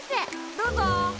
どうぞ。